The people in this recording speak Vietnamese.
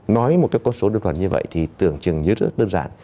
nói một con số đơn toàn như vậy thì tưởng chừng như rất đơn giản